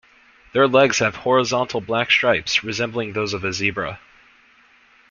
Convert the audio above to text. Their legs have horizontal black stripes, resembling those of a zebra.